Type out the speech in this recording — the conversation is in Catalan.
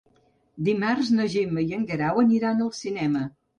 Dimarts na Gemma i en Guerau aniran al cinema.